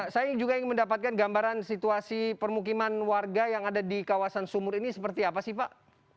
saya juga ingin mendapatkan gambaran situasi permukiman warga yang ada di kawasan sumur ini seperti apa sih pak